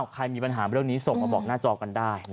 ใครมีปัญหาเรื่องนี้ส่งมาบอกหน้าจอกันได้